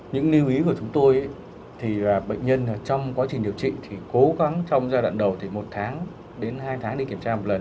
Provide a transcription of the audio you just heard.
những lưu ý của chúng tôi thì bệnh nhân trong quá trình điều trị thì cố gắng trong giai đoạn đầu thì một tháng đến hai tháng đi kiểm tra một lần